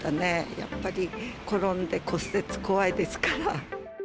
やっぱり転んで骨折、怖いですから。